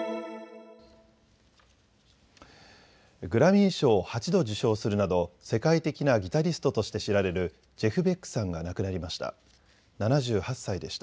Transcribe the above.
グラミー賞を８度受賞するなど世界的なギタリストとして知られるジェフ・ベックさんが亡くなりました。